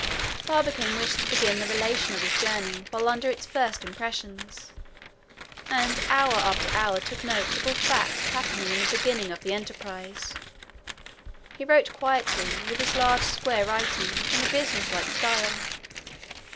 Barbicane wished to begin the relation of his journey while under its first impressions, and hour after hour took notes of all facts happening in the beginning of the enterprise. He wrote quietly, with his large square writing, in a business like style.